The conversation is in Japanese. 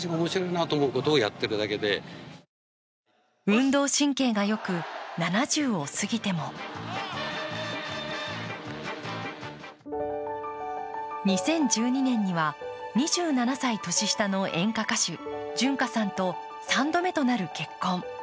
運動神経がよく、７０を過ぎても２０１２年には２７歳年下の演歌歌手、純歌さんと３度目となる結婚。